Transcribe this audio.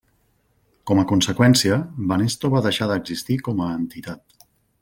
Com a conseqüència, Banesto va deixar d'existir com a entitat.